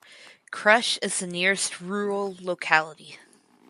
Krush is the nearest rural locality.